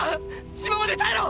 島まで耐えろ！！